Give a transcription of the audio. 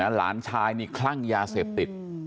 หลานชายนี่คลั่งยาเสพติด